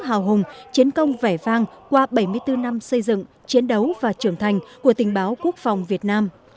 hào hùng chiến công vẻ vang qua bảy mươi bốn năm xây dựng chiến đấu và trưởng thành của tình báo quốc phòng việt nam